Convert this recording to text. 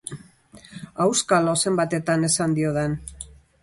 Auskalo zenbatetan esan diodan!